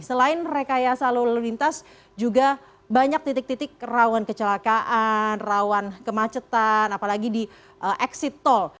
selain rekayasa lalu lintas juga banyak titik titik rawan kecelakaan rawan kemacetan apalagi di exit tol